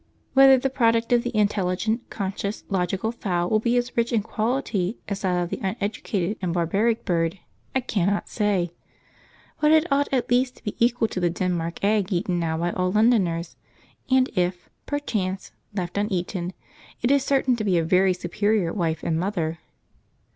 Whether the product of the intelligent, conscious, logical fowl, will be as rich in quality as that of the uneducated and barbaric bird, I cannot say; but it ought at least to be equal to the Denmark egg eaten now by all Londoners; and if, perchance, left uneaten, it is certain to be a very superior wife and mother.